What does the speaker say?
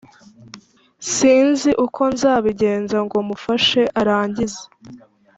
sinzi uko nzabigenza ngo mufashe arangize